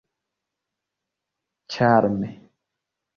ĉarme